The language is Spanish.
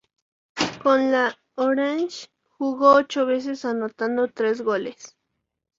Con la "oranje" jugó ocho veces anotando tres goles.